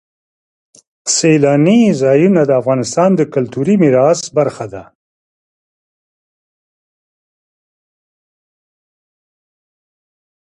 سیلانی ځایونه د افغانستان د کلتوري میراث برخه ده.